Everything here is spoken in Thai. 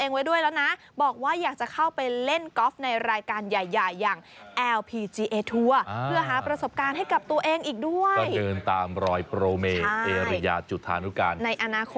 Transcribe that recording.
นี่น่ะก็เป็นมือหนึ่งแล้วมันรวมลงมาแล้วอยู่มือสอง